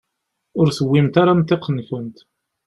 Ur tewwimt ara amḍiq-nkent.